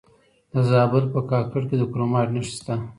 د زابل په کاکړ کې د کرومایټ نښې شته.